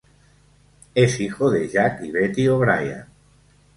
Es hijo de Jack y Betty O'Brien.